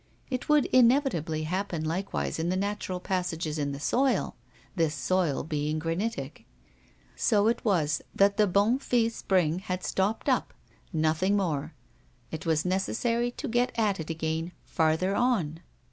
It would inevitably happen likewise in the natural passages in the soil, this soil being granitic. So it was that the Bonnefille Spring had stopped up. Nothing more. It was necessary to get at it again farther on.